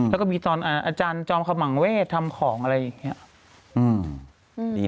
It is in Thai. แล้วก็มีตอนอาจารย์จอมขมังเวททำของอะไรอย่างนี้